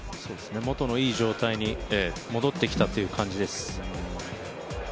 元のいい状態に戻ってきたという感じです。